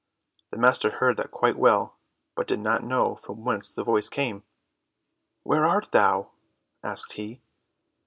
The master heard that quite well, but did not know from whence the voice came. "Where art thou?" asked he.